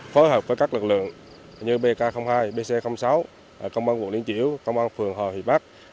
phối hợp với các lực lượng như bk hai bc sáu công an vụ liên chiếu công an phường hồ hịp bắc